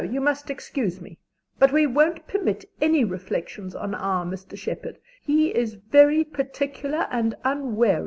you must excuse me, but we don't permit any reflections on our Mr. Shepard: he is very particular and unwearied.